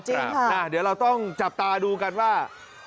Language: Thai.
จริงค่ะน่าเดี๋ยวเราต้องจับตาดูกันว่า